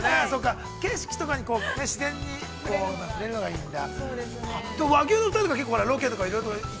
景色とか、自然に触れるのがいいんだ。